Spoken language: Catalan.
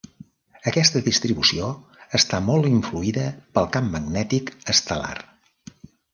Aquesta distribució està molt influïda pel camp magnètic estel·lar.